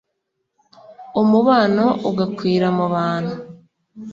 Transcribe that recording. umubano ugakwira mu bantu